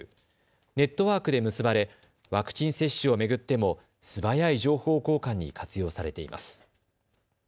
ネットワークで結ばれワクチン接種を巡っても素早い情報交換に活用されています。